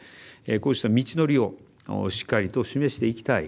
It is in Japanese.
こうした道のりをしっかりと示していきたい